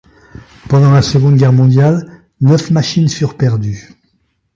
Pendant la Seconde Guerre mondiale, neuf machines furent perdues.